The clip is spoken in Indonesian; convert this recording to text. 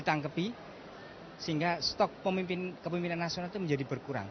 kita ingin ditangkepi sehingga stok pemimpin kepemimpinan nasional itu menjadi berkurang